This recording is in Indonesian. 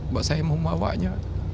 buat saya membawanya